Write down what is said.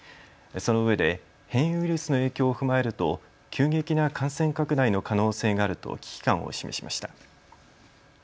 そのうえで変異ウイルスの影響を踏まえると急激な感染拡大の可能性があると危機感を示しました。